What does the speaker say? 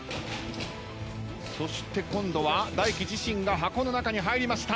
そして今度はＤＡＩＫＩ自身が箱の中に入りました。